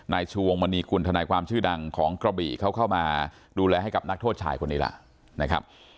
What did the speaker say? ชวงมณีกุลทนายความชื่อดังของกระบี่เขาเข้ามาดูแลให้กับนักโทษชายคนนี้ล่ะนะครับ